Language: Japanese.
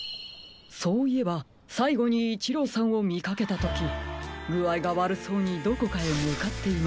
そういえばさいごにイチローさんをみかけたときぐあいがわるそうにどこかへむかっていました。